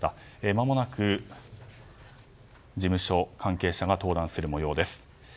まもなく事務所関係者が登壇する模様です。